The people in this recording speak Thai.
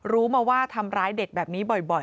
รู้มาว่าทำร้ายเด็กแบบนี้บ่อย